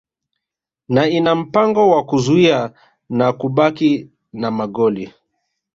na ina mpango wa kuzuia na kubaki na magoli